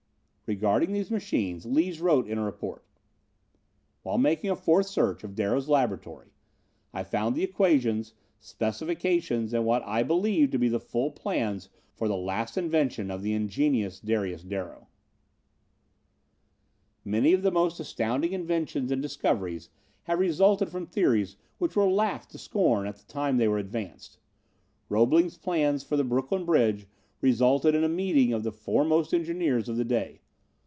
Regarding these machines, Lees wrote in a report: "While making a fourth search of Darrow's laboratory, I found the equations, specifications and what I believe to be the full plans for the last invention of the ingenious Darius Darrow. "Many of the most astounding inventions and discoveries have resulted from theories which were laughed to scorn at the time they were advanced. Roebling's plans for the Brooklyn Bridge resulted in a meeting of the foremost engineers of the day.